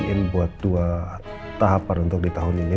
mungkin buat dua tahapan untuk di tahun ini